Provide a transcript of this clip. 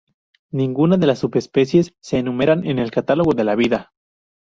Ninguna de las subespecies se enumeran en el Catálogo de la Vida.